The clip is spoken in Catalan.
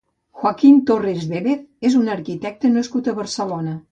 Joaquín Torres Vérez és un arquitecte nascut a Barcelona.